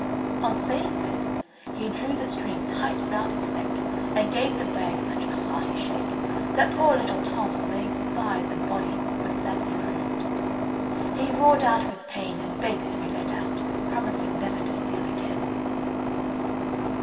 On saying this, he drew the string tight round his neck, and gave the bag such a hearty shake, that poor little Tom's legs, thighs, and body were sadly bruised. He roared out with pain, and begged to be let out, promising never to steal again.